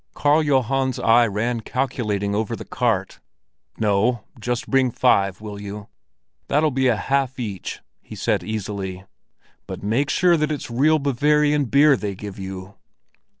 Karl Johan's eye ran calculating over the cart. "No; just bring five, will you? That'll be a half each," he said easily. "But make sure that it's real Bavarian beer they give you."